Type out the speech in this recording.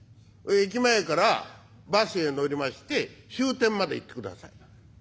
駅前からバスへ乗りまして終点まで行ってください。